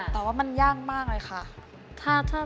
แต่ว่ามันยากมากเลยค่ะ